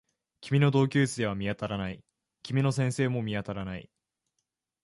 君の同級生は見当たらない。君の先生も見当たらない